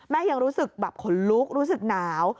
ยังรู้สึกแบบขนลุกรู้สึกหนาว